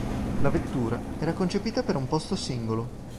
La vettura era concepita per un posto singolo.